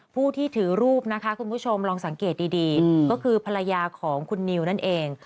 ผู้ที่ถือรูปนะคะคุณผู้ชมลองสังเกตดีก็คือภรรยาของคุณนิวนั่นเอง